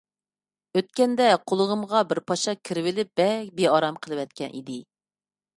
ئۆتكەندە قۇلىقىمغا بىر پاشا كىرىۋېلىپ بەك بىئارام قىلىۋەتكەن ئىدى.